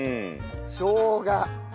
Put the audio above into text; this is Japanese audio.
しょうが。